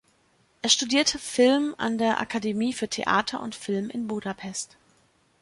Er studierte Film an der Akademie für Theater und Film in Budapest.